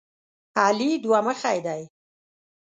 علي دوه مخی دی.